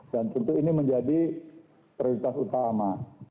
dan tentu ini menjadi prioritas utama